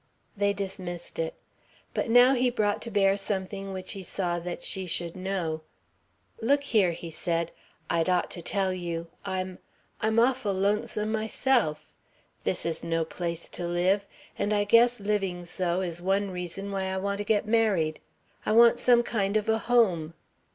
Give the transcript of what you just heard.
They dismissed it. But now he brought to bear something which he saw that she should know. "Look here," he said, "I'd ought to tell you. I'm I'm awful lonesome myself. This is no place to live. And I guess living so is one reason why I want to get married. I want some kind of a home."